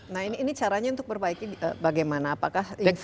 nah ini caranya untuk perbaiki bagaimana apakah